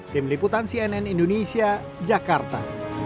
tim liputan cnn indonesia jakarta